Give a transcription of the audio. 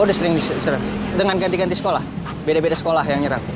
udah sering dengan ganti ganti sekolah beda beda sekolah yang nyerang